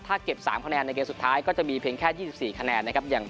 ถ้าเก็บ๓คะแนนในเกมสุดท้ายก็จะมีเพียงแค่๒๔คะแนนนะครับ